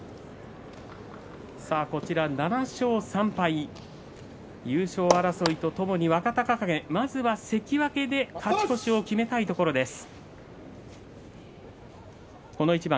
７勝３敗、優勝争いとともに若隆景まずは関脇で勝ち越しを決めたいところです。